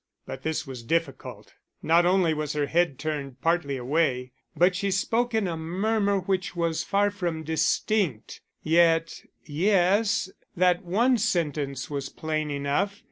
But this was difficult; not only was her head turned partly away, but she spoke in a murmur which was far from distinct. Yet yes, that one sentence was plain enough.